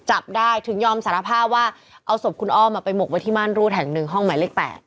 จับได้ถึงยอมสารภาพว่าเอาศพคุณอ้อมไปหมกไว้ที่ม่านรูดแห่งหนึ่งห้องหมายเลข๘